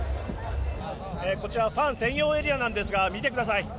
こちらファン専用エリアなんですが見てください。